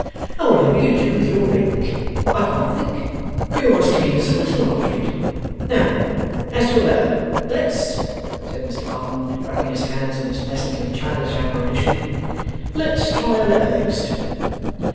'And whatever you do with your ink, I can't think, for you're as clean as a whistle after it. Now, as to a letter. Let's,' said Mr Boffin, rubbing his hands in his pleasantly childish admiration, 'let's try a letter next.